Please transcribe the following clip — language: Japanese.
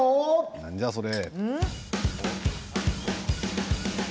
何じゃ、それ。